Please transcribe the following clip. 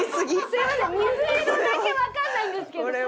すみません水色だけわかんないんですけど。